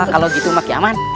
kalau gitu mbak kiaman